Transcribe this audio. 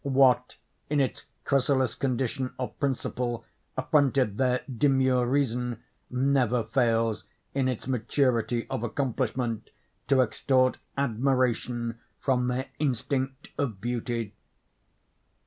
What, in its chrysalis condition of principle, affronted their demure reason, never fails, in its maturity of accomplishment, to extort admiration from their instinct of beauty.